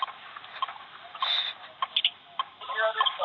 ☎・こちらですか？